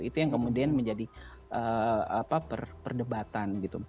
itu yang kemudian menjadi perdebatan gitu